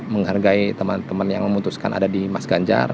menghargai teman teman yang memutuskan ada di mas ganjar